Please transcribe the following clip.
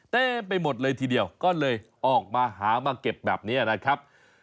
เต็มไปหมดเลยทีเดียวก็เลยออกมาหามาเก็บแบบนี้นะครับ